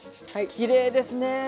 きれいですね。